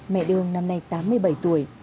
mẹ đương năm nay tám mươi bảy tuổi